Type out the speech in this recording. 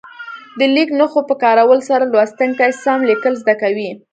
د لیک نښو په کارولو سره لوستونکي سم لیکل زده کوي.